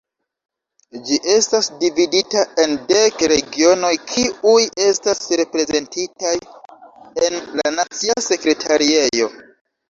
Ĝi estas dividita en dek regionoj kiuj estas reprezentitaj en la nacia sekretariejo.